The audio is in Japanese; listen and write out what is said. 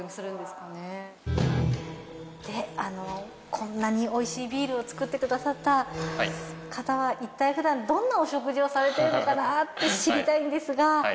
こんなにおいしいビールを造ってくださった方はいったいふだんどんなお食事をされてるのかなって知りたいんですが。